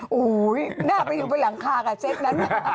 โอ้โหหน้าไปอยู่บนหลังคากับเซ็กนั้น